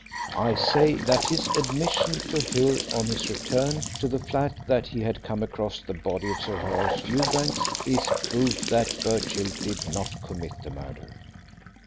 I say that his admission to Hill on his return to the flat that he had come across the body of Sir Horace Fewbanks, is proof that Birchill did not commit the murder.